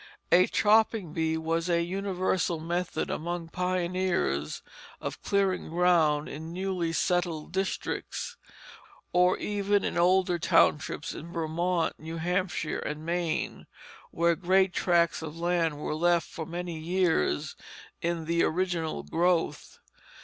A chopping bee was a universal method among pioneers of clearing ground in newly settled districts, or even in older townships in Vermont, New Hampshire, and Maine, where great tracts of land were left for many years in the original growth.